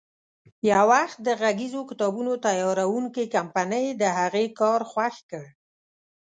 یو وخت د غږیزو کتابونو تیاروونکې کمپنۍ د هغې کار خوښ کړ.